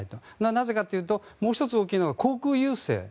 なぜかというともう１つ大きいのが航空優勢。